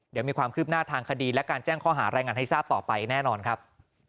เดี๋ยวมีความคืบหน้าทางคดีและการแจ้งข้อหารายงานให้ทราบต่อไปแน่นอนครับ